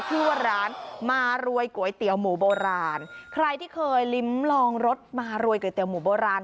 ชื่อว่าร้านมารวยก๋วยเตี๋ยวหมูโบราณใครที่เคยลิ้มลองรสมารวยก๋วเตี๋หมูโบราณ